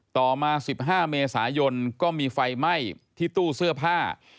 ต่อมา๑๕เมษายนก็มีไฟไหม้ที่ตู้เสื้อผ้า